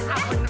jangan ke sini